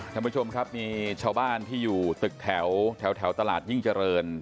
ท่านผู้ชมครับมีชาวบ้านที่อยู่ตึกแถวตลาดยิ่งเจริญ